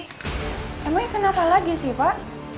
ini emang kenapa lagi sih pak